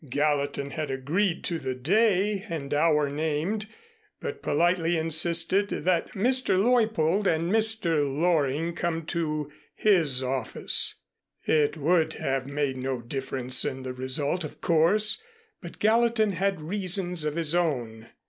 Gallatin had agreed to the day and hour named, but politely insisted that Mr. Leuppold and Mr. Loring come to his office. It would have made no difference in the result, of course, but Gallatin had reasons of his own.